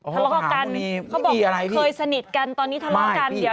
ทะเลาะกันเขาบอกว่าเคยสนิทกันตอนนี้ทะเลาะกัน